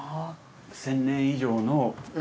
１，０００年以上の。